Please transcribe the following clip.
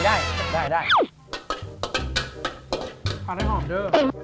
ขาดให้หอมเจอ